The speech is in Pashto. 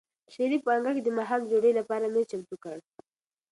شریف په انګړ کې د ماښام د ډوډۍ لپاره مېز چمتو کړ.